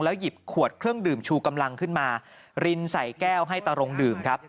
หยิบขวดเครื่องดื่มชูกำลังขึ้นมารินใส่แก้วให้ตารงดื่มครับ